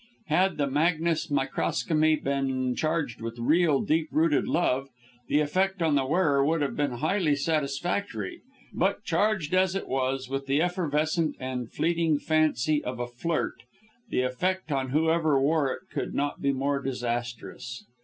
Had the magnes microcosmi been charged with real, deep rooted love, the effect on the wearer would have been highly satisfactory, but charged as it was with the effervescent and fleeting fancy of a flirt, the effect on whoever wore it could not be more disastrous.